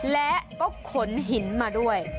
และก็ขนหินมาด้วย